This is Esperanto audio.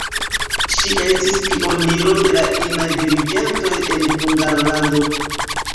Ŝi estis pioniro de la inaj dirigentoj en Hungarlando.